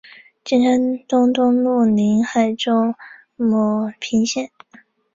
金山东东路宁海州牟平县。